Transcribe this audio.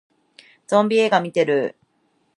ゾンビ映画見てる